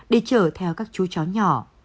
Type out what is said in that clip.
để chở theo các chú chó nhỏ